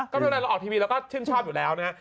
ก็ครั้งนั้นเราออกทีพีเราก็ชื่นชอบอยู่แล้วนะฮะ